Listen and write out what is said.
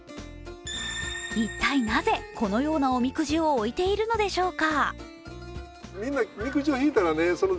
一体なぜこのようなおみくじを置いているのでしょうか。